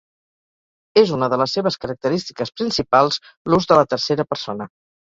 És una de les seves característiques principals l'ús de la tercera persona.